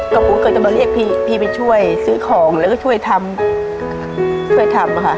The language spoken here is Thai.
ก็ปุ๊กก็จะมาเรียกพี่ไปช่วยซื้อของแล้วก็ช่วยทำช่วยทำค่ะ